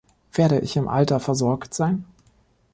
Werde ich im Alter versorgt sein?